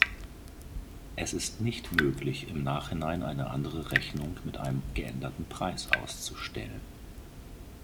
Es ist nicht möglich, im Nachhinein eine andere Rechnung mit einem geänderten Preis auszustellen.